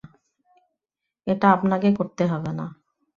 এটা আপনাকে করতে হবে না।